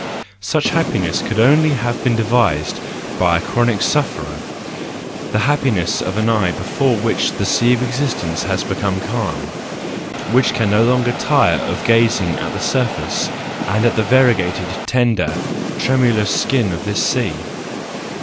Such happiness could only have been devised by a chronic sufferer, the happiness of an eye before which the sea of existence has become calm, and which can no longer tire of gazing at the surface and at the variegated, tender, tremulous skin of this sea.